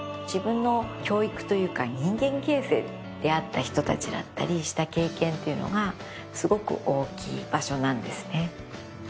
自分の教育というか人間形成出会った人たちだったりした経験っていうのがすごく大きい場所なんですね。